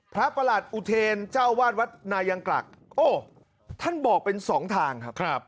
ประหลัดอุเทรนเจ้าวาดวัดนายังกลักโอ้ท่านบอกเป็นสองทางครับ